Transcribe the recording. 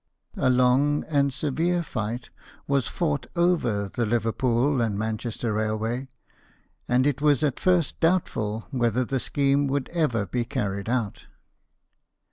A long and severe fight was fought over the Liverpool and Manchester railway, and it was at first doubtful whether the scheme would ever be carried out.